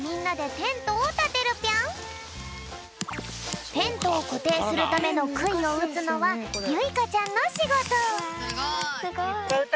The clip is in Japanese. テントをこていするためのくいをうつのはゆいかちゃんのしごと。